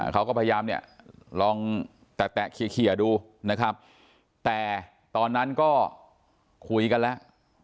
เขาก็พยายามเนี่ยลองแตะเคลียร์ดูนะครับแต่ตอนนั้นก็คุยกันแล้ว